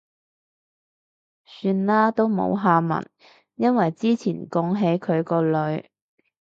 算喇，都冇下文。因為之前講起佢個女